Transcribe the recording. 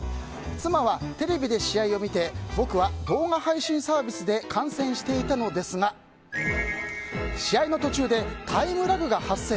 妻はテレビで試合を見て僕は動画配信サービスで観戦していたのですが試合の途中でタイムラグが発生。